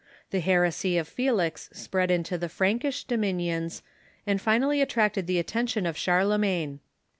The her esy of Felix spread into the Frankish dominions, and finally attracted the attention of Charlemagne.